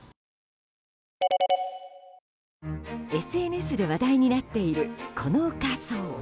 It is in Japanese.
ＳＮＳで話題になっているこの画像。